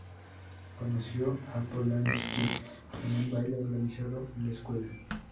Conoció a Polanski en un baile organizado en la escuela.